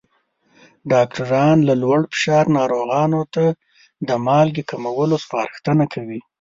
ډاکټران له لوړ فشار ناروغانو ته د مالګې کمولو سپارښتنه کوي.